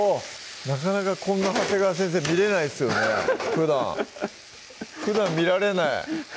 なかなかこんな長谷川先生見れないっすよねふだんふだん見られない